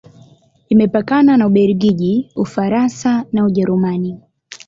Imepakana na Ubelgiji, Ufaransa na Ujerumani.